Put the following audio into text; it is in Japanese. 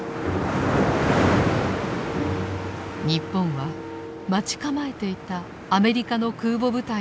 日本は待ち構えていたアメリカの空母部隊による攻撃を受けたのです。